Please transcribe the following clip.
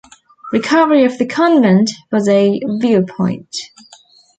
Recovery of the convent as a viewpoint.